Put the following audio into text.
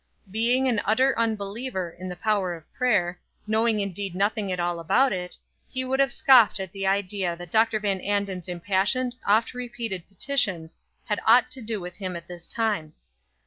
Being an utter unbeliever in the power of prayer, knowing indeed nothing at all about it, he would have scoffed at the idea that Dr. Van Anden's impassioned, oft repeated petitions had aught to do with him at this time.